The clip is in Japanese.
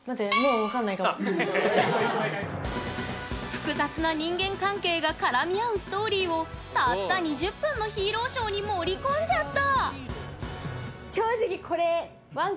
複雑な人間関係が絡み合うストーリーをたった２０分のヒーローショーに盛り込んじゃった。